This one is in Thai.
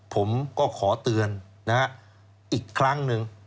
ผมก็ขอเตือนอีกครั้งหนึ่ง